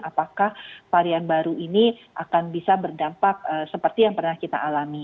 apakah varian baru ini akan bisa berdampak seperti yang pernah kita alami